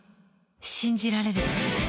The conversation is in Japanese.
信じられる。